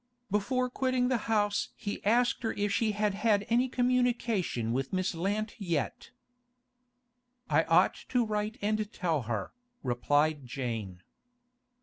Before quitting the house he asked her if she had had any communication with Miss Lant yet. 'I ought to write and tell her,' replied Jane.